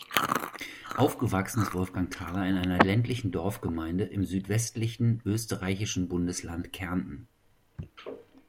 Aufgewachsenen ist Wolfgang Thaler in einer ländlichen Dorfgemeinde im südwestlichen österreichischen Bundesland Kärnten.